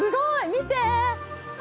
見て！